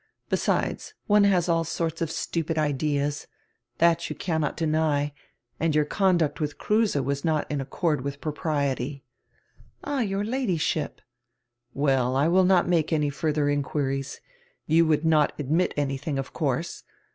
Besides, one has all sorts of stupid ideas. That you cannot deny, and your conduct with Kruse was not in accord with propriety." "Air, your Ladyship —" "Well, I will not make any further inquiries. You would not adnrit anything, of course.